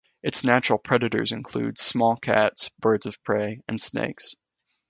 Its natural predators include small cats, birds of prey, and snakes.